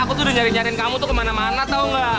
aku tuh udah nyari nyajarin kamu tuh kemana mana tau gak